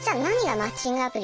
マッチングアプリ。